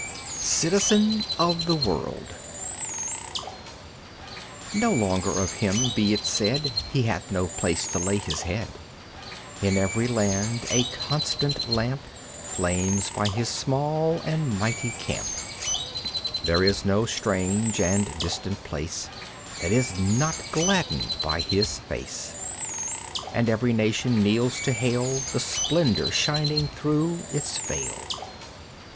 Citizen of the World No longer of Him be it said "He hath no place to lay His head." In every land a constant lamp Flames by His small and mighty camp. There is no strange and distant place That is not gladdened by His face. And every nation kneels to hail The Splendour shining through Its veil.